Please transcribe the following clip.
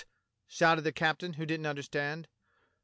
" shouted the captain, who didn't understand.